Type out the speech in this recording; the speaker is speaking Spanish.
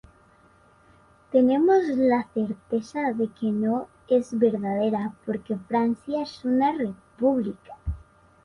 Tenemos la certeza de que no es verdadera, porque Francia es una república.